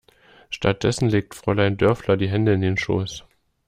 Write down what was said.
Stattdessen legt Fräulein Dörfler die Hände in den Schoß.